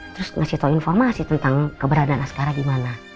terus ngasih tau informasi tentang keberadaan askara di mana